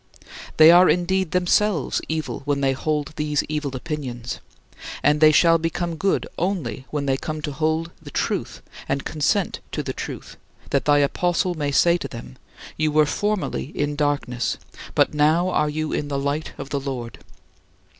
They are indeed themselves evil when they hold these evil opinions and they shall become good only when they come to hold the truth and consent to the truth that thy apostle may say to them: "You were formerly in darkness, but now are you in the light in the Lord."